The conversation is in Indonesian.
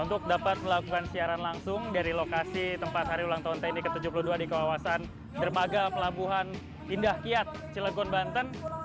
untuk dapat melakukan siaran langsung dari lokasi tempat hari ulang tahun tni ke tujuh puluh dua di kawasan dermaga pelabuhan indah kiat cilegon banten